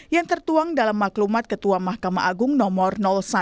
yang tertuang dalam maklumat ketua mahkamah agung nomor satu